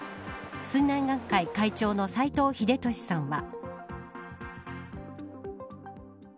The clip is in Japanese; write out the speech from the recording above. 水難学会会長の斎藤秀俊さんは。